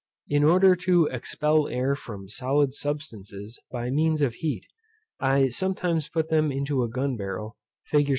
In order to expel air from solid substances by means of heat, I sometimes put them into a gun barrel, fig.